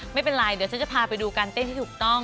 ไม่เป็นไรเดี๋ยวฉันจะพาไปดูการเต้นที่ถูกต้อง